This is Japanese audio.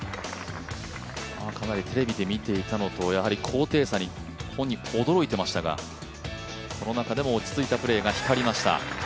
かなりテレビで見ていたのと、高低差に本人驚いていましたが、その中でも落ち着いたプレーが光りました。